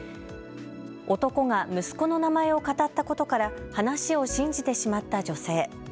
男が息子の名前をかたったことから話を信じてしまった女性。